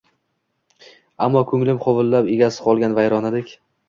Ammo ko`nglim huvillab, egasiz qolgan vayronadek